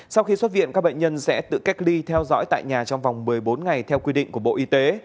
sau khi xuất viện các bệnh nhân sẽ tự cách ly theo dõi tại nhà trong vòng một mươi bốn ngày theo quy định của bộ y tế